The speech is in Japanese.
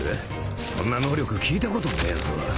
そんな能力聞いたことねえぞ。